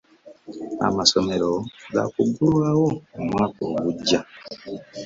Amasomero gaakuggulwaawo omwaka oguggya.